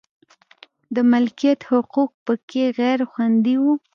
د مالکیت حقوق په کې غیر خوندي و.